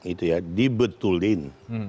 itu ya dibetulin